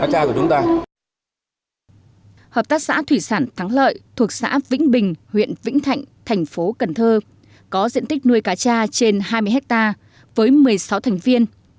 hợp tác xã thủy sản thắng lợi thuộc xã vĩnh bình huyện vĩnh thạnh thành phố cần thơ có diện tích nuôi cá cha trên hai mươi hectare với một mươi sáu thành viên